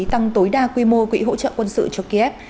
tăng tối đa quy mô quỹ hỗ trợ quân sự cho kiev